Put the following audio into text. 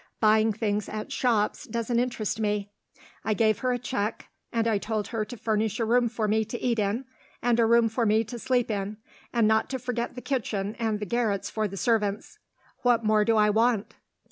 Buying things at shops doesn't interest me. I gave her a cheque; and I told her to furnish a room for me to eat in, and a room for me to sleep in and not to forget the kitchen and the garrets for the servants. What more do I want?"